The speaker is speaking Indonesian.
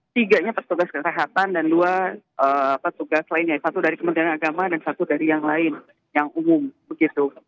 tiganya petugas kesehatan dan dua petugas lainnya yang satu dari kementerian agama dan satu dari yang lain yang umum begitu